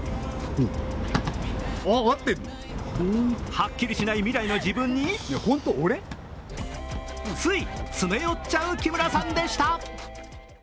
はっきりしない未来の自分につい詰め寄っちゃう木村さんでした。